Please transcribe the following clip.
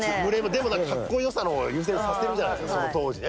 でも何かかっこよさの方を優先させるじゃないですかその当時ね。